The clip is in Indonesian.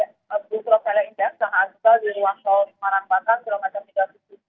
apakah kecelakaan ini juga melibatkan kendaraan lain novelia